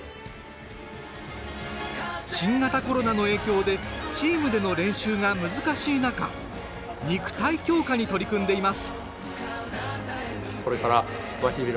新型コロナの影響でチームでの練習が難しい中肉体強化に取り組んでいます。